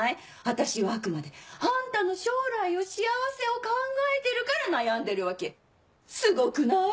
私はあくまであんたの将来を幸せを考えてるから悩んでるわけすごくない？